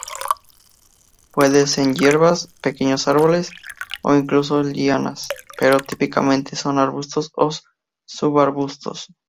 Pueden ser hierbas, pequeños árboles o incluso lianas, pero típicamente son arbustos o subarbustos.